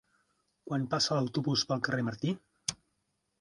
Quan passa l'autobús pel carrer Martí?